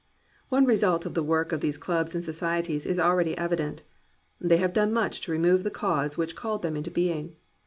One result of the work of these clubs and societies is already evident : they have done much to remove the cause which called them into being.